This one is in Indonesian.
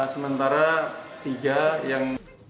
sementara tiga yang